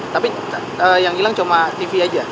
tapi yang hilang cuma tv aja